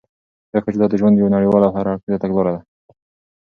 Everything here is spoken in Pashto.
ځكه چې دادژوند يو نړيواله او هر اړخيزه تګلاره ده .